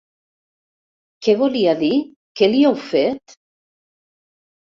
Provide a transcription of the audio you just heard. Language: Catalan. Què volia dir, què li heu fet?